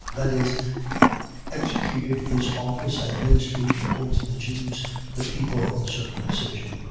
. .That is, executed his office and ministry towards the Jews, the people of the circumcision.